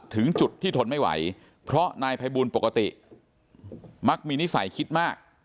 ถึงจุดที่ทนไม่ไหวเพราะนายภัยบูลปกติมักมีนิสัยคิดมาก